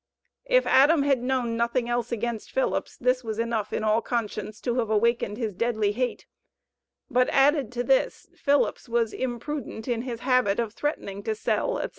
If Adam had known nothing else against Phillips, this was enough in all conscience to have awakened his deadly hate; but, added to this, Phillips was imprudent in his habit of threatening to "sell," etc.